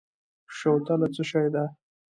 شوتله څه شی ده؟